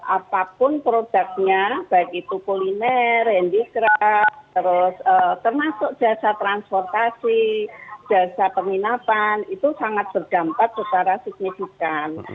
apapun produknya baik itu kuliner handicraft termasuk jasa transportasi jasa penginapan itu sangat berdampak secara signifikan